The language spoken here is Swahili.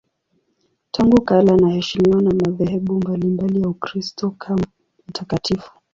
Tangu kale anaheshimiwa na madhehebu mbalimbali ya Ukristo kama mtakatifu.